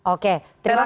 oke terima kasih